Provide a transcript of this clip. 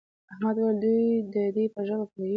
احمد وویل دوی دې په ژبه پوهېږي.